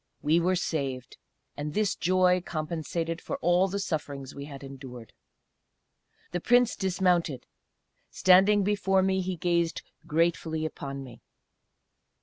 We were saved. And this joy compensated for all the sufferings we had endured. The Prince dismounted; standing before me, he gazed gratefully upon me.